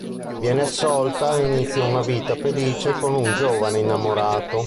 Viene assolta e inizia una vita felice con un giovane innamorato.